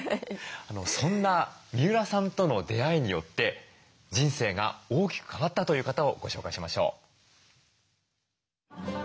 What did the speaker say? そんな三浦さんとの出会いによって人生が大きく変わったという方をご紹介しましょう。